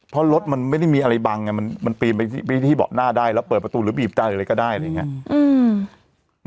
เพราะรถมันไม่ได้มีอะไรบังอ่ะมันมันปีนไปที่บอบหน้าได้แล้วเปิดประตูหรือบีบได้อะไรก็ได้อะไรอย่างเงี้ยอืม